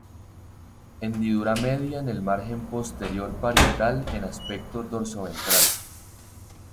Hendidura media en el margen posterior parietal en aspecto dorsoventral.